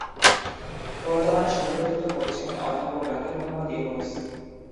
বর্তমানে সভাপতিত্ব করছেন অধ্যাপক ডাক্তার মুহাম্মদ ইউনূস।